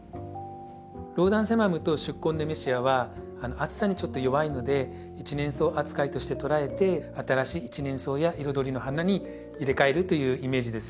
ローダンセマムと宿根ネメシアは暑さにちょっと弱いので一年草扱いとして捉えて新しい一年草や彩りの花に入れ替えるというイメージです。